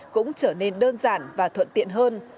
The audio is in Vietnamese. cũng trở nên đơn giản và thuận tiện hơn